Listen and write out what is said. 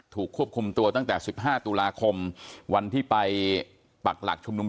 ควบคุมตัวตั้งแต่๑๕ตุลาคมวันที่ไปปักหลักชุมนุม